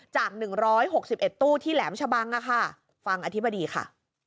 จาก๑๖๑ตู้ที่แหลมชะบังฟังอธิบดีค่ะ